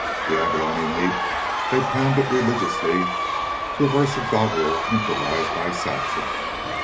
The abalone meat they pounded religiously to a verse of doggerel improvised by Saxon.